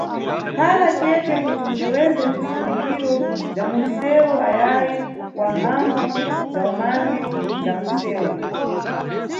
Khala cete kuti uteweze bzizindikiro bza munʼsewu ayayi wa mphambvu za umangi za munʼsewu.